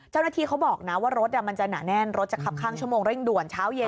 เจ้าหน้าที่เขาบอกว่ารถจะหนาแนนรถจะขับข้างชั่วโมงเริ่งด่วน